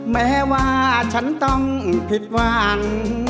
แม้ว่าฉันต้องผิดหวัง